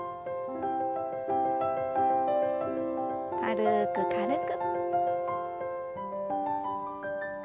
軽く軽く。